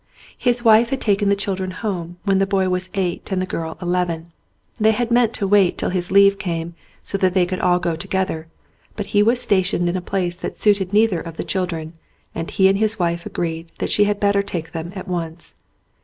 His wife had taken the children home when the boy was eight and the girl eleven. They had meant to wait till his leave came so that they could go all together, but he was stationed in a place that .suited neither of the children and he and his wife agreed that she had better take them at once.